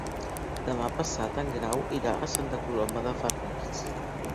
Demà passat en Grau irà a Santa Coloma de Farners.